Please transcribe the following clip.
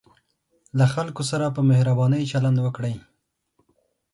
له خلکو سره په مهربانۍ چلند وکړئ.